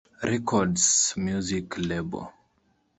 Records music label.